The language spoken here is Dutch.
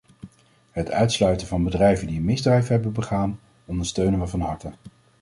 Het uitsluiten van bedrijven die een misdrijf hebben begaan ondersteunen we van harte.